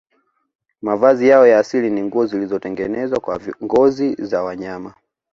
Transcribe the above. Mavazi yao ya asili ni nguo zilizotengenezwa kwa ngozi za wanyama